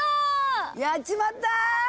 やっちまった！